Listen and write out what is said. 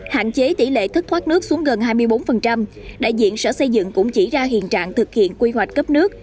hạn chế tỷ lệ thất thoát nước xuống gần hai mươi bốn đại diện sở xây dựng cũng chỉ ra hiện trạng thực hiện quy hoạch cấp nước